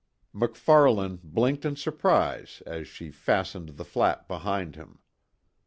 MacFarlane blinked in surprise as she fastened the flap behind him.